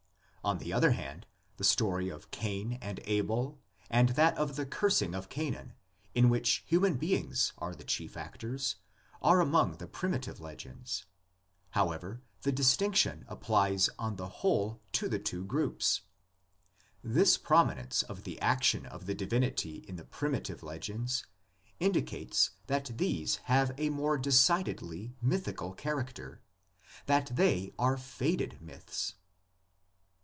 On the other hand, the story of Cain and Abel and that of the cursing of Canaan, in which human beings are the chief actors, are among the primitive legends. However, the distinction applies on the whole to the two groups. This prominence of the action of the divinity in the primitive legends indicates that these have a more decidedly "mythical" character: that they are faded myths.